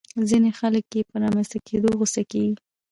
ځينې خلک يې په رامنځته کېدو غوسه کېږي.